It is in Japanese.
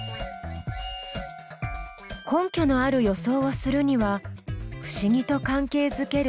根拠のある予想をするには不思議と関係づける